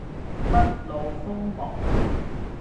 不露鋒芒